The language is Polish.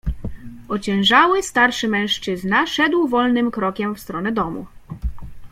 "Ociężały, starszy mężczyzna szedł wolnym krokiem w stronę domu."